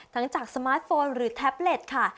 จากสมาร์ทโฟนหรือแท็บเล็ตค่ะ